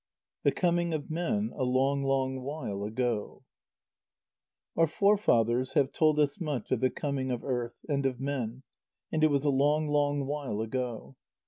THE COMING OF MEN, A LONG, LONG WHILE AGO Our forefathers have told us much of the coming of earth, and of men, and it was a long, long while ago.